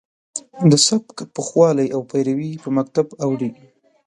د سبک پوخوالی او پیروي په مکتب اوړي.